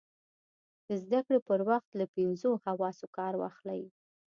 د زده کړې پر وخت له پینځو حواسو کار واخلئ.